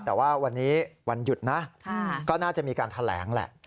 แต่ว่าวันนี้วันหยุดนะก็น่าจะมีการแถลงแหละ